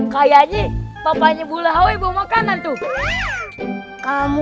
kayaknya papanya boleh hawe bawa makanan tuh kamu